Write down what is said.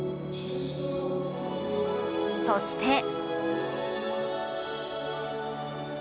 そして。